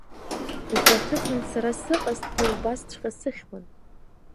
Ухаҭыԥан сара сыҟазҭгьы убасҵәҟьа сыхьуан.